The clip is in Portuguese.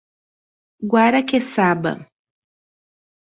Guaraqueçaba